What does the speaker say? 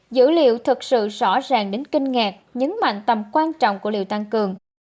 dữ liệu thật sự rõ ràng đến kinh ngạc nhấn mạnh tầm quan trọng của liều tăng cường